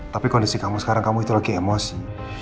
tapi kondisi kamu sekarang kamu itu lagi emosi